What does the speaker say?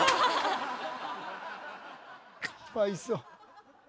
⁉かわいそう。